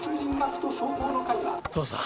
父さん。